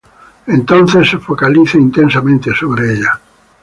Entonces se focaliza intensamente sobre ella.